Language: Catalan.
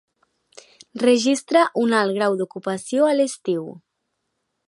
Registra un alt grau d'ocupació a l'estiu.